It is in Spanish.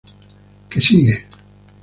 Que sigue.